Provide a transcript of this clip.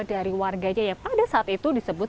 dari warganya yang pada saat itu disebut